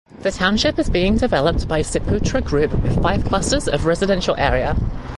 The township is being developed by Ciputra Group with five clusters of residential area.